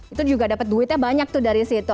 itu juga dapat duitnya banyak tuh dari situ